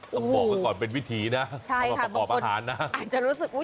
ต้องบอกก่อนเป็นวิธีนะใช่ค่ะบางคนอาจจะรู้สึกอุ้ย